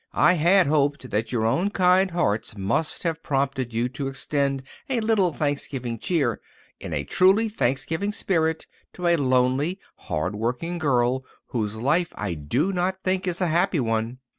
I had hoped that your own kind hearts might have prompted you to extend a little Thanksgiving cheer in a truly Thanksgiving spirit to a lonely, hard working girl whose life I do not think is a happy one.